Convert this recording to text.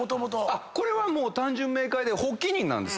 これはもう単純明快で。